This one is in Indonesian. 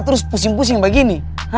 terus pusing pusing begini